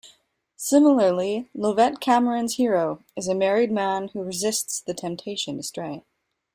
Similarly, Lovett Cameron's hero is a married man who resists the temptation to stray.